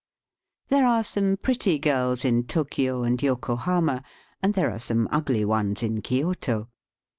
There are some pretty girls in Tokio and Yokohama, and there are some ugly ones in Kioto.